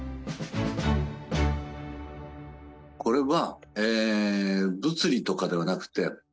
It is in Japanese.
これは。